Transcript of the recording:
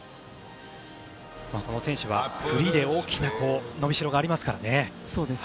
この選手はフリーで大きな伸びしろがありますからね。